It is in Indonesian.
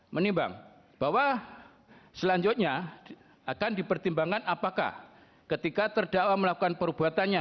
menimbang bahwa selanjutnya akan dipertimbangkan apakah ketika terdakwa melakukan perbuatannya